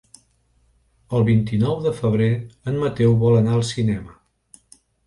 El vint-i-nou de febrer en Mateu vol anar al cinema.